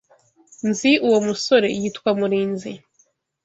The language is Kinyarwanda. Nzi uwo musore. Yitwa Murinzi.